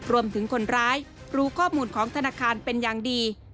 คนร้ายรู้ข้อมูลของธนาคารเป็นอย่างดี